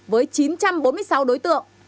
với chín trăm bốn mươi sáu đối tượng